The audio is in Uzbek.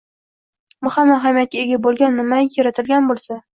Muhim ahamiyatga ega bo’lgan nimaiki yaratilgan bo’lsa